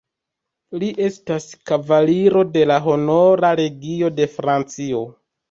Li estas kavaliro de la Honora Legio de Francio.